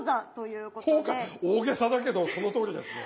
大げさだけどそのとおりですね。